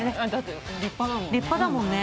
立派だもんね。